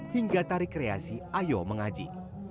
hingga tarik kreasi ayo mengaji